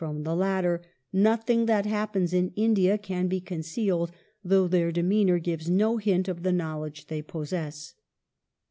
THE INDIAN MUTINY [1856 happens in India can be concealed, though their demeanour gives no hint of the knowledge they possess.